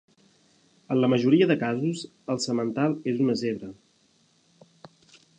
En la majoria de casos, el semental és una zebra.